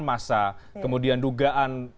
massa kemudian dugaan